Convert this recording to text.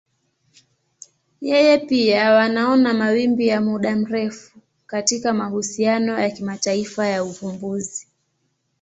Yeye pia wanaona mawimbi ya muda mrefu katika mahusiano ya kimataifa ya uvumbuzi.